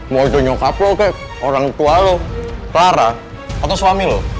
mau itu nyokap lu kayak orang tua lu clara atau suami lu